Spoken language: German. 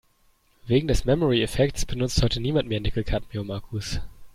Wegen des Memory-Effekts benutzt heute niemand mehr Nickel-Cadmium-Akkus.